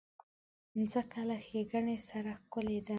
مځکه له ښېګڼې سره ښکلې ده.